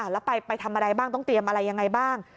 แล้วไปทำอะไรบ้างต้องเตรียมอะไรยังไงบ้าง